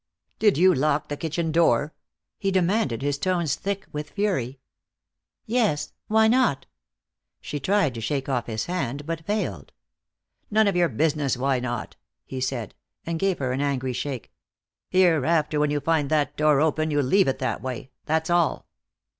"Did you lock the kitchen door?" he demanded, his tones thick with fury. "Yes. Why not?" She tried to shake off his hand, but failed. "None of your business why not," he said, and gave her an angry shake. "Hereafter, when you find that door open, you leave it that way. That's all."